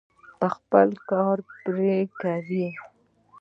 خپل کار پرې کوي.